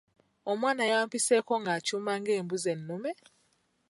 Omwana yampiseeko nga akyuma ng’embuzi ennume.